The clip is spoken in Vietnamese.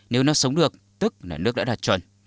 nếu nó sống được tức là nước đã đạt chuẩn